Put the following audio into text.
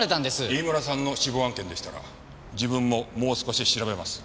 飯村さんの死亡案件でしたら自分ももう少し調べます。